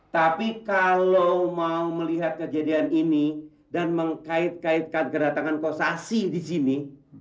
tapi kalau mau melihat kejadian ini dan mengkait kaitkan kedatangan kosasi di sini